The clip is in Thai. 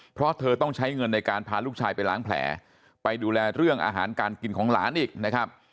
เพราะเธอต้องใช้เงินในการพาลูกชายไปล้างแผลไปดูแลเรื่องอาหารการกินของหลานอีกนะครับ